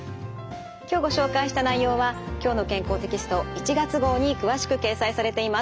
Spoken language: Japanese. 今日ご紹介した内容は「きょうの健康」テキスト１月号に詳しく掲載されています。